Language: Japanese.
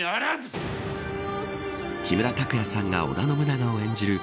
木村ん拓也さんが織田信長を演じる